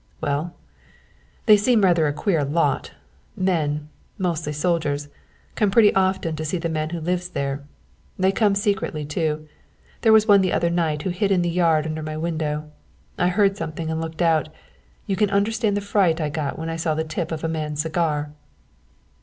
"Well they seem rather a queer lot. Men mostly soldiers come pretty often to see the man who lives there. They come secretly too; there was one the other night who hid in the yard under my window. I heard something and looked out; you can understand the fright I got when I saw the tip of a man's cigar."